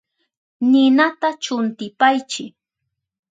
Ninata chuntipaychi.